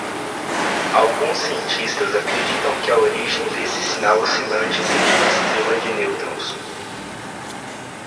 Alguns cientistas acreditam que a origem desse sinal oscilante seja uma estrela de nêutrons.